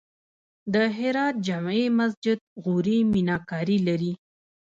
د هرات جمعې مسجد غوري میناکاري لري